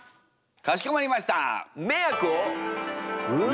かしこまりました！